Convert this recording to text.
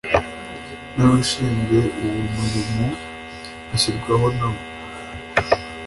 n’abashinzwe uwo murimo bashyirwaho nabo